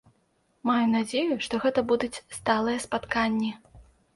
Маю надзею, што гэта будуць сталыя спатканні.